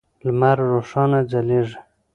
لمر روښانه ځلیږی